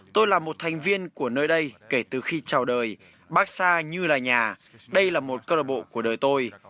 tôi là một thành viên của nơi đây kể từ khi chào đời baxa như là nhà đây là một cơ đội bộ của đời tôi